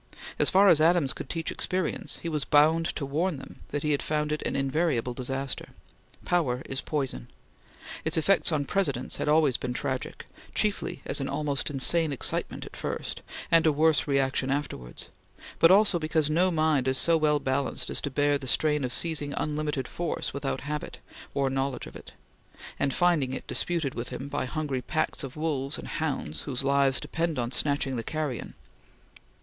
As far as Adams could teach experience, he was bound to warn them that he had found it an invariable disaster. Power is poison. Its effect on Presidents had been always tragic, chiefly as an almost insane excitement at first, and a worse reaction afterwards; but also because no mind is so well balanced as to bear the strain of seizing unlimited force without habit or knowledge of it; and finding it disputed with him by hungry packs of wolves and hounds whose lives depend on snatching the carrion.